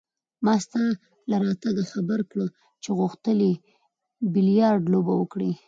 ما ستا له راتګه خبر کړ چې غوښتل يې بیلیارډ لوبه وکړي.